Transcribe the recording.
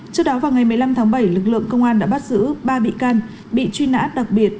trước đó vào ngày một mươi năm tháng bảy lực lượng công an đã bắt giữ ba bị can bị truy nã đặc biệt